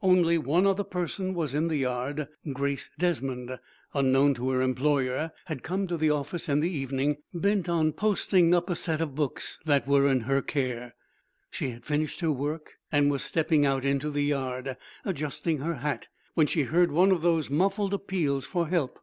Only one other person was in the yard. Grace Desmond, unknown to her employer, had come to the office in the evening, bent on posting up a set of books that were in her care. She had finished her work, and was stepping out into the yard, adjusting her hat, when she heard one of those muffled appeals for help.